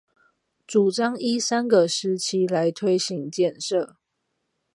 主張依三個時期來推行建設